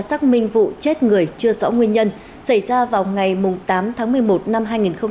xác minh vụ chết người chưa rõ nguyên nhân xảy ra vào ngày tám tháng một mươi một năm hai nghìn một mươi chín